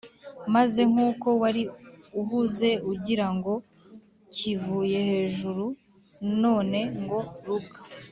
maze kuko wari uhuze ugira ngo kivuye hejuru none ngo rubwa!